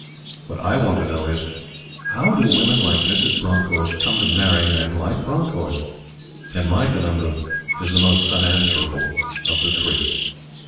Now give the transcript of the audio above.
What I want to know is: "How do women like Mrs. Bronckhorst come to marry men like Bronckhorst?" And my conundrum is the most unanswerable of the three.